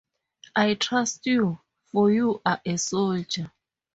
I trust you, for you are a soldier.